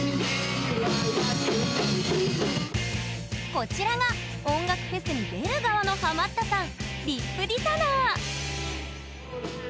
こちらが音楽フェスに出る側のハマったさん